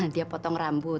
dia potong rambut